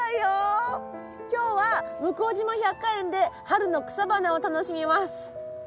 今日は向島百花園で春の草花を楽しみます。